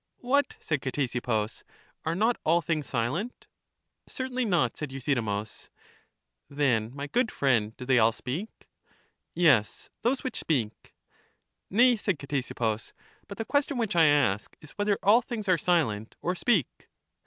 What, said Ctesippus, are not all things silent? Certainly not, said Euthydemus. Then, my good friend, do they all speak? Yes; those which speak. \ Nay, said Ctesippus, but the question which I ask is whether all things are silent or speak?